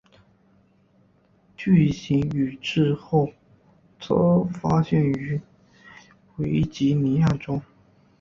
巨型羽翅鲎则发现于维吉尼亚州。